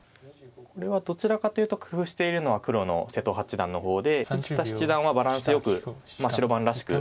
これはどちらかというと工夫しているのは黒の瀬戸八段の方で富士田七段はバランスよく白番らしく。